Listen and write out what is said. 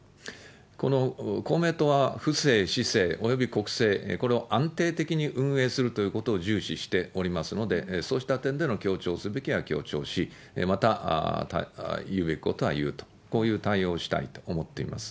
この公明党は、府政、市政、および国政、これを安定的に運営するということを重視しておりますので、そうした点での強調するべきは強調し、また、言うべきことは言うと、こういう対応をしたいと思っています。